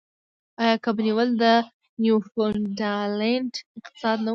آیا کب نیول د نیوفونډلینډ اقتصاد نه و؟